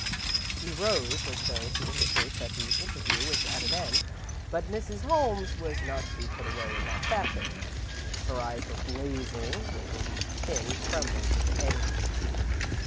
He rose as though to indicate that the interview was at an end, but Mrs. Holmes was not to be put away in that fashion. Her eyes were blazing and her weak chin trembled with anger.